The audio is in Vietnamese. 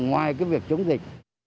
ngoài cái việc chống dịch